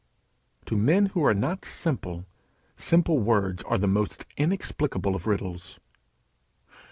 To men who are not simple, simple words are the most inexplicable of riddles.